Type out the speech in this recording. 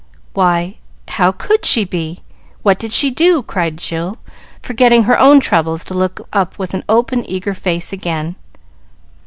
"Why, how could she be? What did she do?" cried Jill, forgetting her own troubles to look up with an open, eager face again.